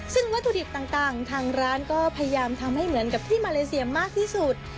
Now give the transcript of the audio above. ซึ่งวัตถุดิบต่างทางร้านก็พยายามทำให้เหมือนกับที่มาเลเซียมากที่สุด